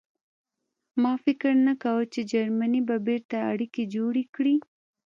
ما فکر نه کاوه چې جرمني به بېرته اړیکې جوړې کړي